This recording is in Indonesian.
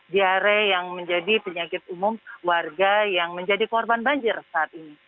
diare yang menjadi penyakit umum warga yang menjadi korban banjir saat ini